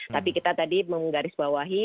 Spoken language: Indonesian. tapi kita tadi menggarisbawahi